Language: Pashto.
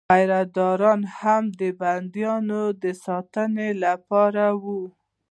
پیره داران هم د بندیانو د ساتنې لپاره وو.